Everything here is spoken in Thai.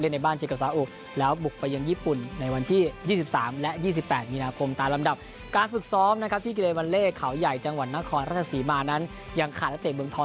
ในบ้านเจอกับสาอุแล้วบุกไปยังญี่ปุ่นในวันที่๒๓และ๒๘มีนาคมตามลำดับการฝึกซ้อมนะครับที่กิเลวัลเล่เขาใหญ่จังหวัดนครราชศรีมานั้นยังขาดนักเตะเมืองทอง